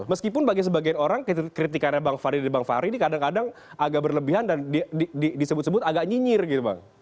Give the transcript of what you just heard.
meskipun bagi sebagian orang kritikannya bang fadli dan bang fahri ini kadang kadang agak berlebihan dan disebut sebut agak nyinyir gitu bang